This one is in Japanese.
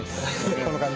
この感じ。